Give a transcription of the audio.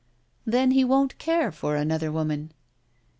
"Then he won't care for another woman."